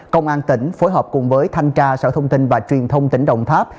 công an tỉnh phối hợp cùng với thanh tra sở thông tin và truyền thông tỉnh đồng tháp